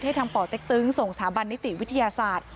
ทางป่อเต็กตึงส่งสถาบันนิติวิทยาศาสตร์